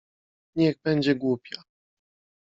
— Niech będzie głupia.